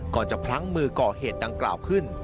ก่อนจะพลั้งมือก่อเหตุดังกล่าวขึ้น